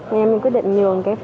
nên em quyết định nhường